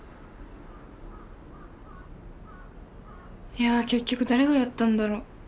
いや結局だれがやったんだろう？